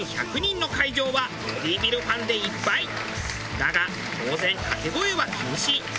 だが当然かけ声は禁止。